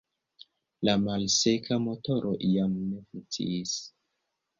La malseka motoro jam ne funkciis.